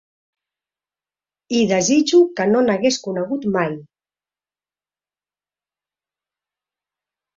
I desitjo que no n'hagués conegut mai.